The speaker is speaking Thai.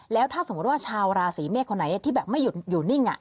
แล้วถ้าสมมุติว่าชาวราศีเมษคนไหนที่แบบไม่อยู่นิ่ง